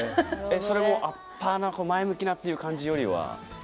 それもアッパーな前向きなっていう感じよりは？